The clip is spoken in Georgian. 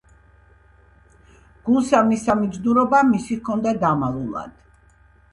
გულსა მისსა მიჯნურობა მისი ჰქონდა დამალულად; .